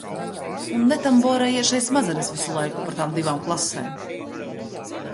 "Un "netamborējiet" šeit smadzenes visu laiku par tām divām klasēm!"